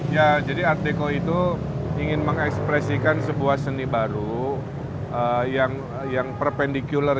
ya jadi art deko itu ingin mengekspresikan sebuah seni baru yang perpendicular